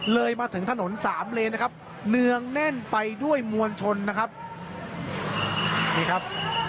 เลยมาถึงถนนสามเลนนะครับเนืองแน่นไปด้วยมวลชนนะครับนี่ครับ